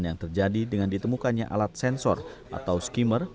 yang terjadi dengan ditemukannya alat sensor atau skimmer